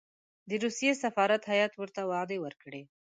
د روسیې سفارت هېئت ورته وعدې ورکړې.